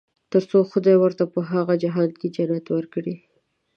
تر څو خدای ورته په هغه جهان کې جنت ورکړي.